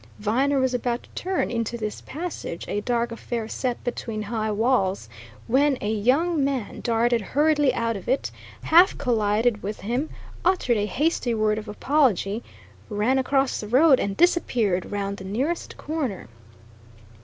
Viner was about to turn into this passage, a dark affair set between high walls, when a young man darted hurriedly out of it, half collided with him, uttered a hasty word of apology, ran across the road and disappeared round the nearest corner.